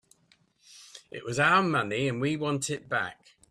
It was our money and we want it back.